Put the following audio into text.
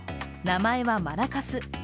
名前はマラカス。